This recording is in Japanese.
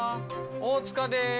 大塚です。